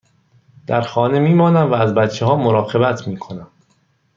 در خانه می مانم و از بچه ها مراقبت می کنم.